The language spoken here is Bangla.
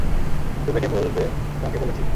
ডুবেকে বলবে তোমাকে বলেছি।